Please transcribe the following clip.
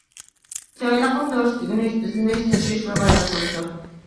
جاھىللىقنىڭ دورىسى ئۆگىنىش، ئىزدىنىش، تىرىشىش ۋە غەيرەت قىلىشتۇر.